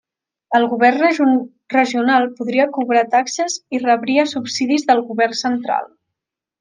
El govern regional podria cobrar taxes i rebria subsidis del govern central.